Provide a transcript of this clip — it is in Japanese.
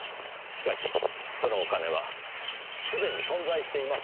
しかしそのお金はすでに存在していません。